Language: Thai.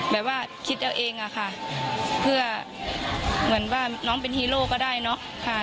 แบบว่าคิดเอาเองอะค่ะเพื่อเหมือนว่าน้องเป็นฮีโร่ก็ได้เนอะ